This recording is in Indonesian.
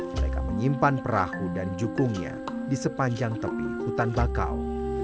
mereka menyimpan perahu dan jukungnya di sepanjang tepi hutan bakau